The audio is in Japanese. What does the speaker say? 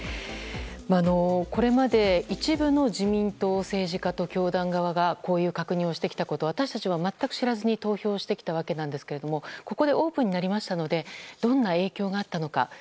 これまで一部の自民党政治家と教団側がこういう確認をしてきたことを私たちは全く知らずに投票してきたわけですがここでオープンになりましたのでどんな影響があったのか